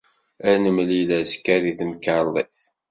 Ad nemlil azekka, deg temkarḍit.